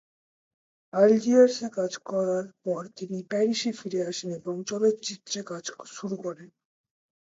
আলজিয়ার্সে কাজ করার পর তিনি প্যারিসে ফিরে আসেন এবং চলচ্চিত্রে কাজ শুরু করেন।